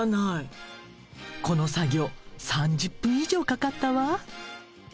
この作業３０分以上かかったわ。